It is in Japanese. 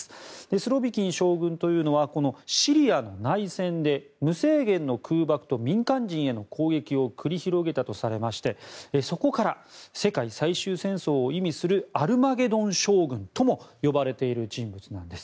スロビキン将軍というのはシリアの内戦で無制限の空爆と民間人への攻撃を繰り広げたとされましてそこから世界最終戦争を意味するアルマゲドン将軍とも呼ばれている人物なんです。